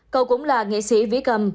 cậu cũng là nghệ sĩ vĩ cầm